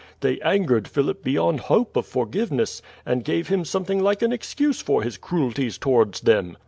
They angered Philip beyond hope of forgiveness, and gave him something like an excuse for his cruelties towards them."